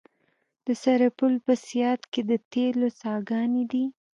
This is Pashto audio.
د سرپل په صیاد کې د تیلو څاګانې دي.